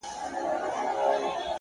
• چي زه ماشوم وم له لا تر اوسه پوري ,